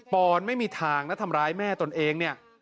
อนไม่มีทางนะทำร้ายแม่ตนเองเนี่ย